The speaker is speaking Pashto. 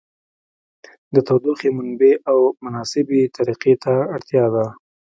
د تودوخې منبع او مناسبې طریقې ته اړتیا ده.